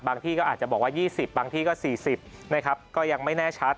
ที่ก็อาจจะบอกว่า๒๐บางที่ก็๔๐นะครับก็ยังไม่แน่ชัด